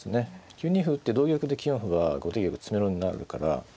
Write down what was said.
９二歩打って同玉で９四歩は後手玉詰めろになるから。